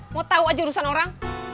mau tahu aja urusan orang